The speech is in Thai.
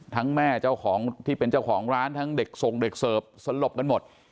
แม่เจ้าของที่เป็นเจ้าของร้านทั้งเด็กส่งเด็กเสิร์ฟสลบกันหมด